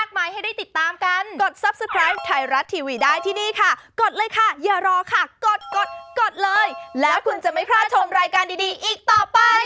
กดเลยแล้วคุณจะไม่พลาดชมรายการดีอีกต่อไป